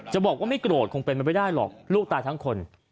จะบอกว่าไม่โกรธคงเป็นมันไม่ได้หรอกลูกตายทั้งคน